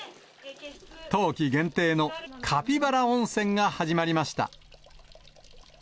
冬季限定のカピバラ温泉が始まりました。